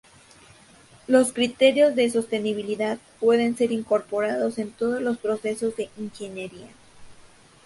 Los criterios de sostenibilidad pueden ser incorporados en todos los procesos de ingeniería.